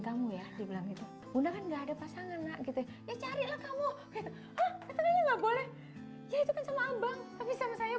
kamu ya di bilang itu bunda kan enggak ada pasangan nak gitu ya carilah kamu boleh ya itu kan sama abang